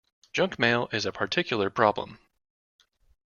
Junk mail is a particular problem